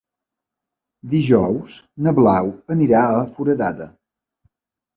Dijous na Blau anirà a Foradada.